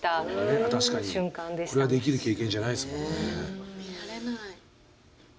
これはできる経験じゃないですもんね。